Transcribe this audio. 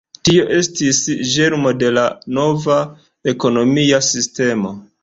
Tio estis ĝermo de la nova ekonomia sistemo.